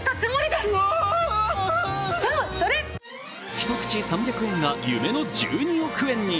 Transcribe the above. １口、３００円が夢の１２億円に。